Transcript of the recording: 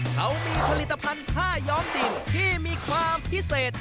เขามีผลิตภัณฑ์ผ้าย้อมดินที่มีความพิเศษ